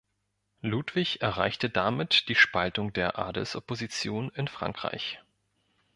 Ludwig erreichte damit die Spaltung der Adelsopposition in Frankreich.